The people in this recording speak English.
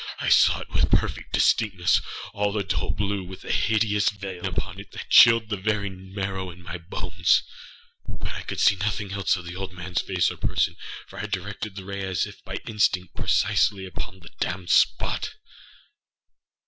I saw it with perfect distinctnessâall a dull blue, with a hideous veil over it that chilled the very marrow in my bones; but I could see nothing else of the old manâs face or person: for I had directed the ray as if by instinct, precisely upon the damned spot.